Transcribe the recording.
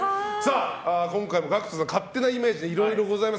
今回もＧＡＣＫＴさんの勝手なイメージいろいろあります。